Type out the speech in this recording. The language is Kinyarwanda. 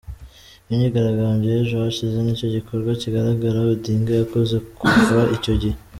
Imyigaragambyo y’ejo hashize nicyo gikorwa kigaragara Odinga yakoze kuva icyo gihe.